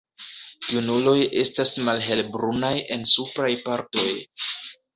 Junuloj estas malhelbrunaj en supraj partoj.